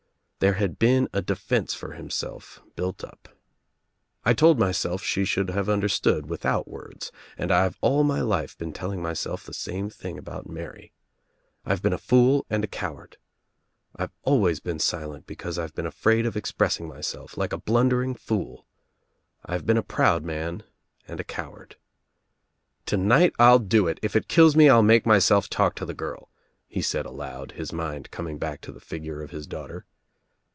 There had been a defense for himself built up. "I told myself she should have understood without words and I've all my life been telling myself the same thing about Mary. I've been a fool and a coward. I've always . been silent because I've been afraid of expressing my I self — like a blundering fool. I've been a proud man r and a coward, "Tonight I'll do it. If it kills me I'll make myself talk to the girl," he said aloud, his mind coming back to the figure of his daughter.